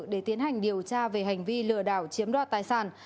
để tiến hành điều tra về hành vi lừa đảo chiếm đoạt tài sản